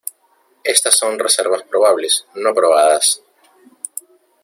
Estas son reservas probables, no probadas.